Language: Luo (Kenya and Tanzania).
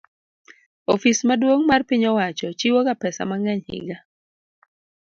Ofis maduong' mar piny owacho chiwoga pesa mang'eny higa